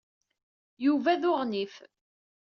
Yuba d uɣnif.